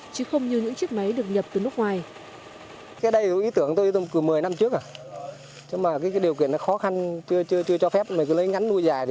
chứ không như những chiếc máy được nhập từ nước ngoài